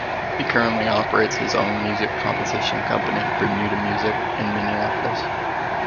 He currently operates his own music composition company, Bermuda Music, in Minneapolis.